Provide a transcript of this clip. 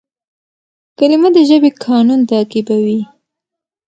کلیمه د ژبي قانون تعقیبوي.